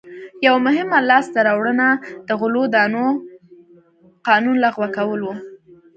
یوه مهمه لاسته راوړنه د غلو دانو قانون لغوه کول و.